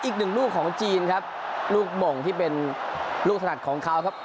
อีกหนึ่งลูกของจีนครับลูกหม่งที่เป็นลูกถนัดของเขาครับ